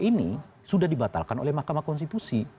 yang kedua ini sudah dibatalkan oleh mahkamah konstitusi